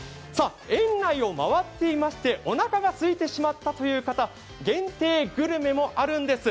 園内を回っていましておなかが空いてしまったという方、限定グルメもあるんです。